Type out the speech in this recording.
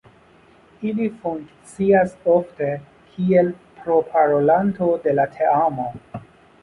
Ili funkcias ofte kiel proparolanto de la teamo.